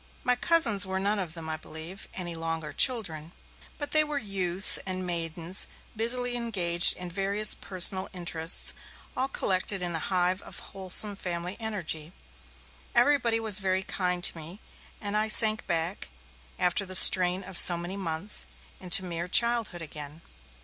My cousins were none of them, I believe, any longer children, but they were youths and maidens busily engaged in various personal interests, all collected in a hive of wholesome family energy. Everybody was very kind to me, and I sank back, after the strain of so many months, into mere childhood again.